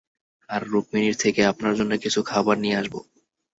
আর রুকমিনির থেকে আপনার জন্য কিছু খাবার নিয়ে আসবো।